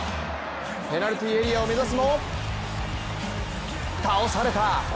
ペナルティーエリアを目指すも倒された！